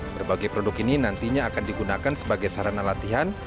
berbagai produk ini nantinya akan digunakan sebagai sarana latihan